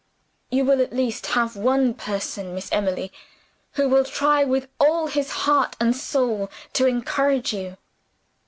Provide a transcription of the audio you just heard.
"You will at least have one person, Miss Emily, who will try with all his heart and soul to encourage you."